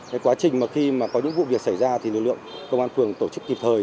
cái quá trình mà khi mà có những vụ việc xảy ra thì lực lượng công an phường tổ chức kịp thời